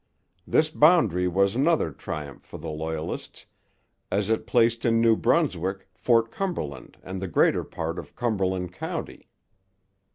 This boundary was another triumph for the Loyalists, as it placed in New Brunswick Fort Cumberland and the greater part of Cumberland county.